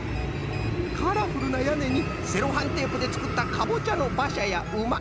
カラフルなやねにセロハンテープでつくったかぼちゃのばしゃやうま！